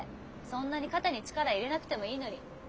そんなに肩に力入れなくてもいいのに。